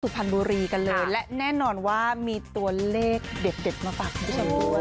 สุภัณฑ์บุรีกันเลยและแน่นอนว่ามีตัวเลขเด็ดมาฝากพี่ชัมด้วย